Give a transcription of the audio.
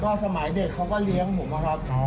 สมัยเด็กเขาก็เลี้ยงผมอะครับ